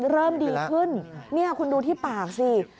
เริ่มดีขึ้นนี่คุณดูที่ปากสิ